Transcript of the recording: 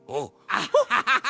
アッハハハハ！